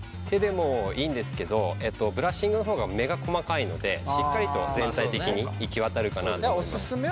手でもいいんですけどブラシッングの方が目が細かいのでしっかりと全体的に行き渡るかなと思います。